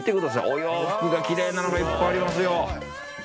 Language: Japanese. お洋服がきれいにいっぱいありますよ。